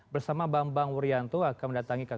bersama bambang wuryanto akan mendatangi